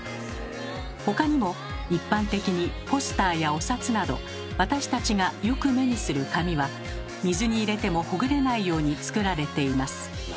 他にも一般的にポスターやお札など私たちがよく目にする紙は水に入れてもほぐれないようにつくられています。